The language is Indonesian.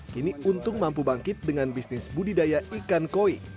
kini untung mampu bangkit dengan bisnis budidaya ikan koi